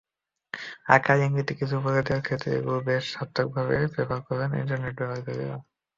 আকারে-ইঙ্গিতে কিছু বলে দেওয়ার ক্ষেত্রে এগুলো বেশ সার্থকভাবে ব্যবহারও করেন ইন্টারনেট ব্যবহারকারীরা।